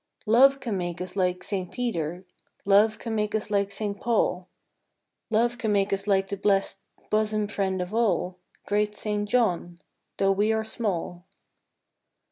Love can make us like St. Peter, Love can make us like St. Paul, Love can make us like the blessed Bosom friend of all, Great St. John, —though we are small.